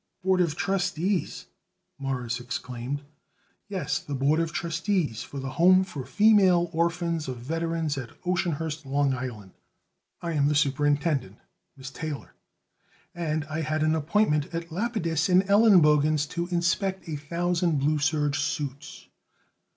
"Board of Trustees!" Morris exclaimed. "Yes, the Board of Trustees of the Home for Female Orphans of Veterans, at Oceanhurst, Long Island. I am the superintendent Miss Taylor and I had an appointment at Lapidus & Elenbogen's to inspect a thousand blue serge suits.